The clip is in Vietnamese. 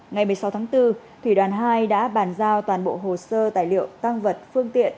ngày một mươi sáu tháng bốn thủy đoàn hai đã bàn giao toàn bộ hồ sơ tài liệu tăng vật phương tiện